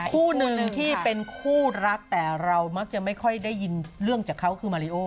คู่หนึ่งที่เป็นคู่รักแต่เรามักจะไม่ค่อยได้ยินเรื่องจากเขาคือมาริโอ